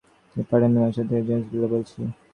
Hmm, Patni and Myers থেকে James Miller বলছি।